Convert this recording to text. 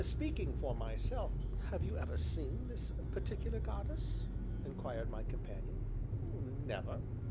Speaking for myself " "Have you ever seen this particular Goddess?" inquired my companion. "Never."